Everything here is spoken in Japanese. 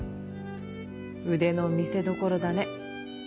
腕の見せどころだね。